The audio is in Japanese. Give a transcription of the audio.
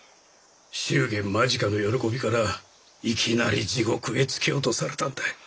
祝言間近の喜びからいきなり地獄へ突き落とされたんだ。